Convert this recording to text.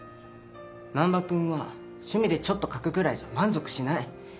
難破君は趣味でちょっと描くくらいじゃ満足しない。